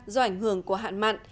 do ảnh hưởng của hạn mặn